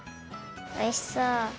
おいしそう！